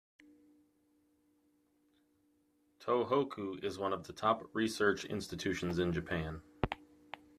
Tohoku is one of the top research institutions in Japan.